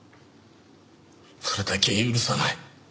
それだけは許さない。